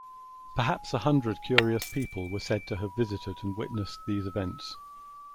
Perhaps a hundred curious people were said to have visited and witnessed these events.